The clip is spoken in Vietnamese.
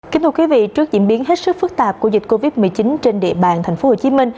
kính thưa quý vị trước diễn biến hết sức phức tạp của dịch covid một mươi chín trên địa bàn tp hcm